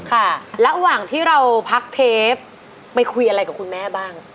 ค่ะระหว่างที่เราพักเทปไปคุยอะไรกับคุณแม่บ้าง